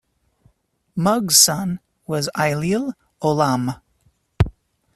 Mug's son was Ailill Ollamh.